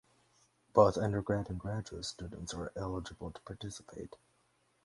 Both undergrad and graduate students are eligible to participate.